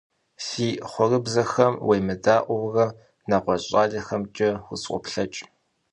Си хъуэрыбзэхэм уемыдаӀуэурэ, нэгъуэщӀ щӀалэхэмкӀэ усфӀоплъэкӀ.